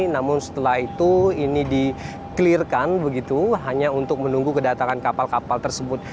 namun setelah itu ini di clear kan begitu hanya untuk menunggu kedatangan kapal kapal tersebut